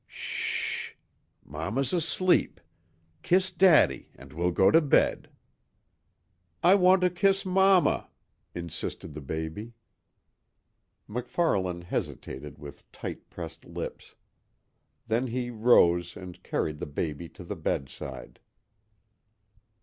"S h s h, mamma's asleep. Kiss daddy, and we'll go to bed." "I want to kiss mamma," insisted the baby. MacFarlane hesitated with tight pressed lips. Then he rose and carried the baby to the bedside.